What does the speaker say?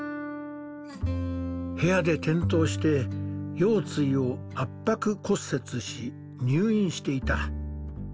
部屋で転倒して腰椎を圧迫骨折し入院していた。